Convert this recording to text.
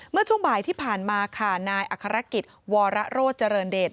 เมื่อช่วงบ่ายที่ผ่านมาค่ะนายอัครกิจวรโรธเจริญเดช